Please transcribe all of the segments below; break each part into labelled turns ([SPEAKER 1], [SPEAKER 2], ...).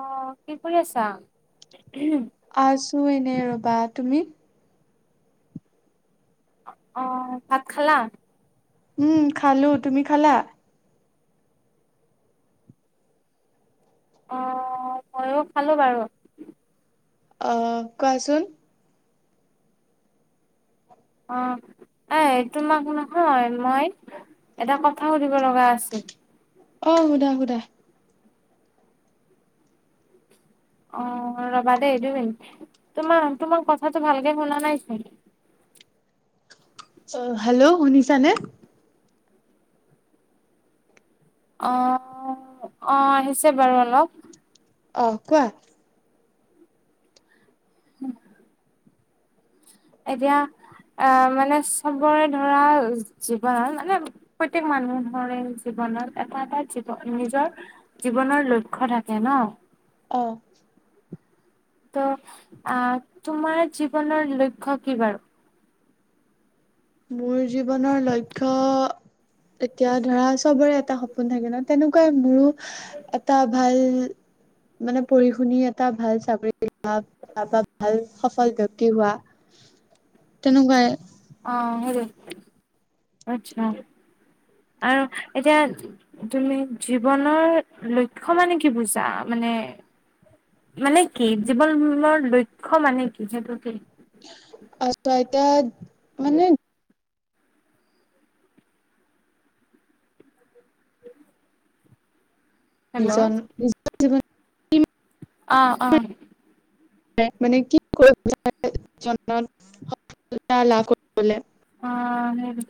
[SPEAKER 1] অ কি কৰি আছা
[SPEAKER 2] আছো এনে ৰবা তুমি
[SPEAKER 1] অ ভাত খালা
[SPEAKER 2] উম খালো তুমি খালা
[SPEAKER 1] অ ময়ো খালো বাৰু
[SPEAKER 2] আহ কোৱাচোন
[SPEAKER 1] অ এ তোমাক নহয় মই এটা কথা সুধিব লগা আছিল
[SPEAKER 2] আহ সোধা সোধা
[SPEAKER 1] অ ৰবা দেেই এইটো মিন তোমাৰ তোমাক কথাটো ভালকে শুনা নাইচোন
[SPEAKER 2] [inaudible] অ, হেল্ল' শুনিছানে?
[SPEAKER 1] আহ-আহ আহিছে বাৰু অলপ
[SPEAKER 2] আহ কোৱা?
[SPEAKER 1] উম,
[SPEAKER 2] [inaudible]
[SPEAKER 1] এতিয়া এই, মানে চবৰে ধৰা জীৱন মানে প্ৰত্যেক মানুহৰে জীৱন [unintelligible] এটা-এটা জীৱন নিজৰ জীৱনৰ লক্ষ্য় থাকে ন
[SPEAKER 2] আহ,
[SPEAKER 1] ত' আহ তোমাৰ জীৱনৰ লক্ষ্য় কি বাৰু
[SPEAKER 2] মোৰ জীৱনৰ লক্ষ্য এতিয়া ধৰা চবৰে এটা সপোন থাকে ন তেনেকুৱাই মোৰো এটা ভাল মানে পঢ়ি শুনি এটা ভাল চাকৰি বা ভাল সফল ব্ক্তি হোৱা তেনেকুৱাই
[SPEAKER 1] আহ হটো [unintelligible] আৰু এতিয়া তুমি জীৱনৰ লক্ষ্য মানে কি বুজা মানে? মানে মানে কি জীৱননৰ লক্ষ্য মানে কি হেতু কি?
[SPEAKER 2] আচ্ছা, এতিয়া মানে
[SPEAKER 1] হেল্ল'।
[SPEAKER 2] নিজৰ-নিজৰ জীৱন
[SPEAKER 1] আহ অ'
[SPEAKER 2] মানে কি কৰিব সফা লাভ কৰিবলে
[SPEAKER 1] অ' হেৰি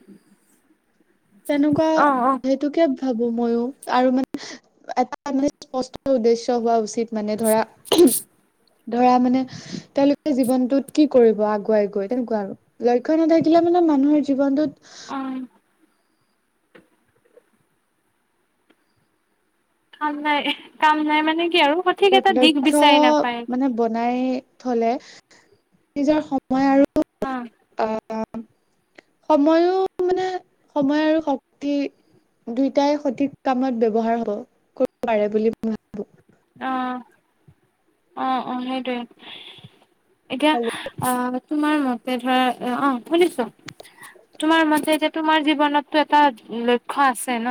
[SPEAKER 2] তেনেকুৱা হেতুকে ভাবোঁ মইয়ো আৰু মানে এটা মানে স্পষ্ট উদ্দেশ্য হোৱা উচিত। মানে ধৰা ধৰা মানে তেওঁলোকে জীৱনটোত কি কৰিব আগুৱাই গৈ তেনেকুৱা আৰু লক্ষ্য নাথাকিলে মানে মানুহৰ জীৱনটোত
[SPEAKER 1] উম। কাম নাই এই কাম নাই মানে কি আৰু সঠিক এটা দিশ
[SPEAKER 2] লক্ষ্য়
[SPEAKER 1] বিচাৰি নাপায়।
[SPEAKER 2] মানে বনাই থ'লে নিজৰ সময় আৰু
[SPEAKER 1] আহ
[SPEAKER 2] অহ' সময়ো মানে সময় আৰু শক্তি দুইটাই সঠিক কামত ব্য্য়ৱহাৰ হব পাৰে বুলি ম ভাবো
[SPEAKER 1] অ' অ' অ' সেইটোৱে এতিয়া অহ তোমাৰ মতে ধৰা, অ শুনিছো তোমাৰ মতে এ যে তোমাৰ জীৱনতটো এটা লক্ষ্য আছে ন?